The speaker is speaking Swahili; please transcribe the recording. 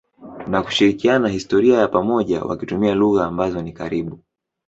na kushirikiana historia ya pamoja wakitumia lugha ambazo ni karibu.